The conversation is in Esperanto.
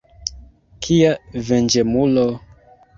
Kia venĝemulo!